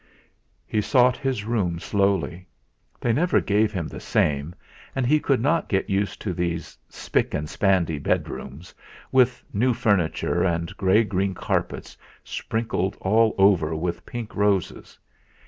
He sought his room slowly. They never gave him the same, and he could not get used to these 'spick and spandy' bedrooms with new furniture and grey green carpets sprinkled all over with pink roses.